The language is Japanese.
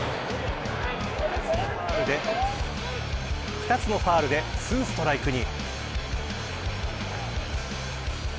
２つのファウルで２ストライクに。